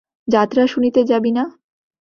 যাত্রা শুনিতে যাবি না?